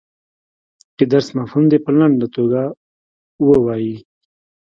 د درس مفهوم دې په لنډه توګه ووایي.